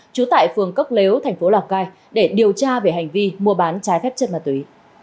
trú tại phường cốc lếu thành phố lào cai để điều tra về hành vi mua bán trái phép chất ma túy